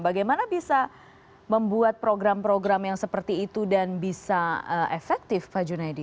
bagaimana bisa membuat program program yang seperti itu dan bisa efektif pak junaidi